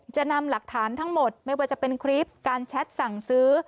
จะนำหลักฐานทั้งหมดไม่ว่าจะเป็นคลิปการแชทสั่งซื้อ